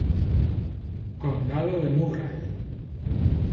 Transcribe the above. Condado de Murray